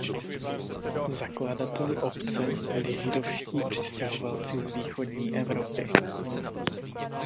Zakladateli obce byli židovští přistěhovalci z východní Evropy.